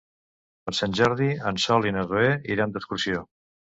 Per Sant Jordi en Sol i na Zoè iran d'excursió.